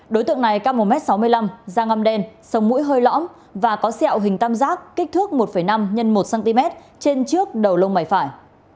đối tượng này cao một m sáu mươi năm da ngăm đen sông mũi hơi lõm và có xẹo hình tam giác kích thước một năm x một cm trên trước đầu lông mảy phải